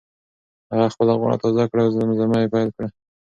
هغه خپله غاړه تازه کړه او زمزمه یې پیل کړه.